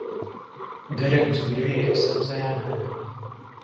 Gelek cureyên sebzeyan hene.